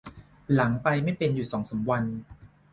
หลังไปไม่เป็นอยู่สองสามวัน